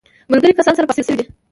ملګري کسان سره پاشل سوي دي.